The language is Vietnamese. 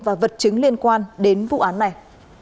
về cơ quan đến vụ án này